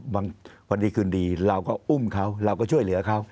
วันพอดีคืนดีเราก็อุ้มเขาเราก็ช่วยเหลือเขา